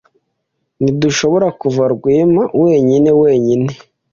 Ntidushobora kuva Rwema wenyine wenyine.